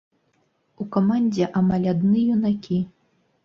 У камандзе амаль адны юнакі.